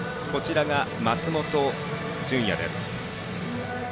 松本純弥です。